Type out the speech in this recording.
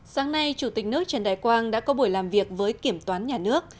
sáng nay chủ tịch nước trần đại quang đã có buổi làm việc với kiểm toán nhà nước